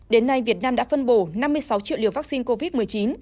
đến nay việt nam đã phân bổ năm mươi sáu triệu liều vaccine covid một mươi chín